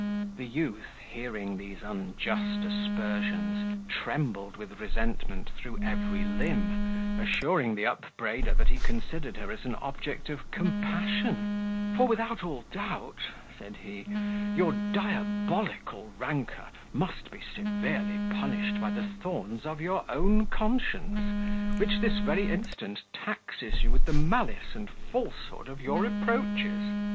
The youth, hearing these unjust aspersions, trembled with resentment through every limb, assuring the upbraider that he considered her as an object of compassion; "for without all doubt," said he, "your diabolical rancour must be severely punished by the thorns of your own conscience, which this very instant taxes you with the malice and falsehood of your reproaches.